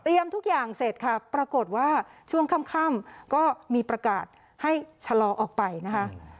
ทุกอย่างเสร็จค่ะปรากฏว่าช่วงค่ำก็มีประกาศให้ชะลอออกไปนะคะ